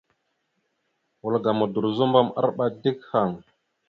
Wal ga Modorəzobom arɓa dik haŋ.